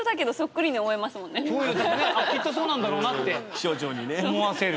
きっとそうなんだろうなって思わせる。